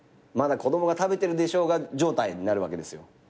まだ子供が食べてるでしょうが状態になるわけですよ。